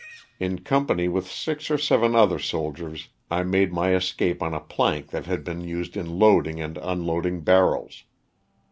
In company with six or seven other soldiers I made my escape on a plank that had been used in loading and unloading barrels.